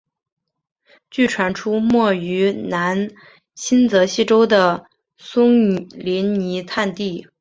据传出没于南新泽西州的松林泥炭地。